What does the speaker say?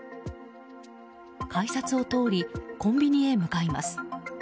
改札を通りコンビニへ向かいます。